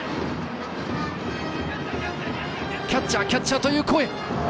キャッチャーキャッチャーという声！